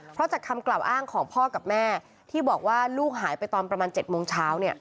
เพราะจากคำกล่าวอ้างของพ่อกับแม่ที่บอกว่าลูกหายไปตอนประมาณ๗โมงเช้า